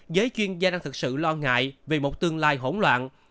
giới chuyên gia đang thực sự lo ngại về một tương lai hỗn loạn